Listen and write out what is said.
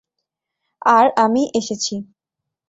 আর আমি এসেছি।